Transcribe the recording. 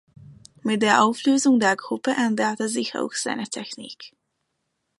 Mit der Auflösung der Gruppe änderte sich auch seine Technik.